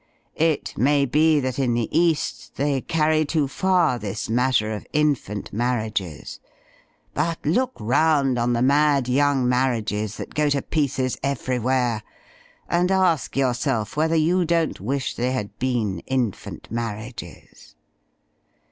It may be that in the East they carry too far this matter of infant marriages. But look round on the mad young marriages that go to pieces every where! And ask yourself whether you don't wish they had been infant marriages!